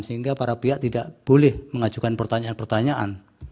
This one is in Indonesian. sehingga para pihak tidak boleh mengajukan pertanyaan pertanyaan